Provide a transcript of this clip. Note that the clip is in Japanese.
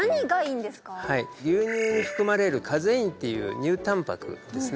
牛乳に含まれるカゼインっていう乳たんぱくですね